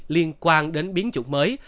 liên quan đến biến chủng mới